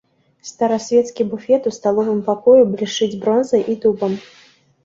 Старасвецкі буфет у сталовым пакоі блішчыць бронзай і дубам.